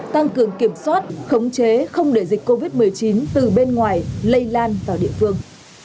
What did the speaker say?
tăng cường kiểm soát khống chế không để dịch covid một mươi chín từ bên ngoài lây lan vào địa phương